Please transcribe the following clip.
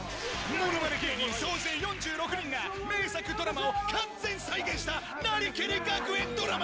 ものまね芸人総勢４６人が、名作ドラマを完全再現したなりきり学園ドラマ。